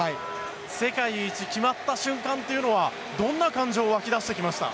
世界一決まった瞬間というのはどんな感情が湧き出してきました？